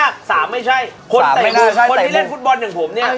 คนที่เล่นฟุตบอลอย่างผมเนี่ย